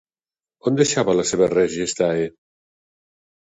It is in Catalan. On deixava la seva Res Gestae?